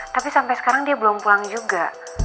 tapi sampai sekarang dia belum pulang juga